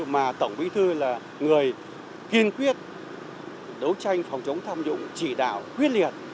mà tổng bí thư là người kiên quyết đấu tranh phòng chống tham nhũng chỉ đạo quyết liệt